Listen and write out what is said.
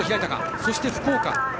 そして福岡。